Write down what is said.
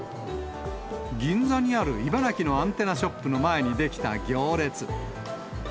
銀座にある茨城のアンテナショップの前に出来た行列。